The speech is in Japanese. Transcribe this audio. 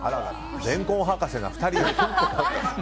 レンコン博士が２人いる。